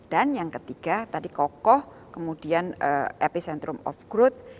dan yang ketiga tadi kokoh kemudian epicentrum of growth